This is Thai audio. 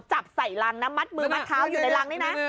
จับใส่รังนะมัดมือมัดเท้าอยู่ในรังนี่นะ